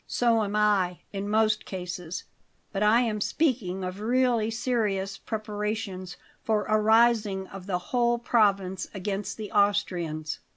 "So am I, in most cases; but I am speaking of really serious preparations for a rising of the whole province against the Austrians.